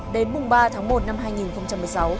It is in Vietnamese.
đến mùng ba tháng một năm hai nghìn một mươi sáu